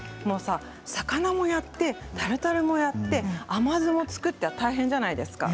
魚もやって、タルタルもやって甘酢も作ってというのは大変じゃないですか。